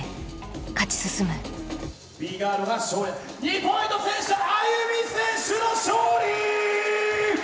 Ｂガール２ポイント制したＡＹＵＭＩ選手の勝利！